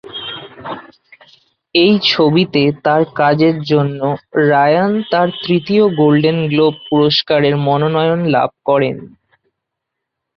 এই ছবিতে তার কাজের জন্য রায়ান তার তৃতীয় গোল্ডেন গ্লোব পুরস্কারের মনোনয়ন লাভ করেন।